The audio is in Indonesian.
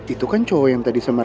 ya udah gue jalanin dulu